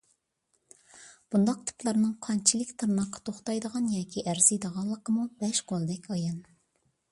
بۇنداق تىپلارنىڭ قانچىلىك تىرناققا توختايدىغان ياكى ئەرزىيدىغانلىقىمۇ بەش قولدەك ئايان.